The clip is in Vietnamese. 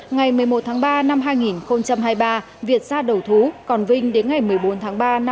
ngày một mươi một tháng ba năm hai nghìn hai mươi ba việt ra đầu thú còn vinh đến ngày một mươi bốn tháng ba